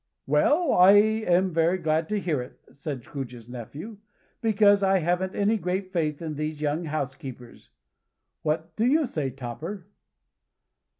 "Well! I am very glad to hear it," said Scrooge's nephew, "because I haven't any great faith in these young housekeepers. What do you say, Topper?"